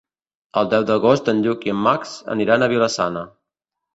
El deu d'agost en Lluc i en Max aniran a Vila-sana.